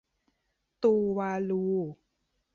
ตูวาลู